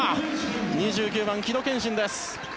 ２９番、城戸賢心です。